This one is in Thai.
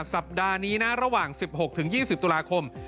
สัปดาห์นี้นะระหว่าง๑๖๒๐ตุลาคม